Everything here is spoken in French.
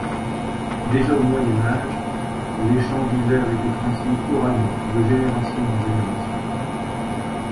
Déjà au Moyen Âge, les chants divers étaient transmis oralement de géneration en géneration.